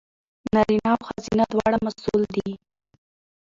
نارینه او ښځینه دواړه مسوول دي.